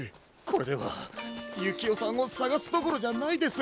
これではゆきおさんをさがすどころじゃないです。